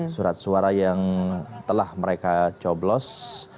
surat suara yang telah mereka coblos